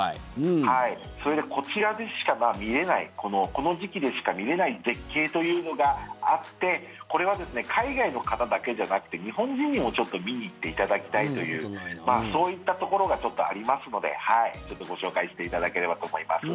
こちらでしか見れないこの時期でしか見れない絶景というのがあってこれは海外の方だけじゃなくて日本人にも、ちょっと見に行っていただきたいというそういったところがちょっとありますのでご紹介していただければと思います。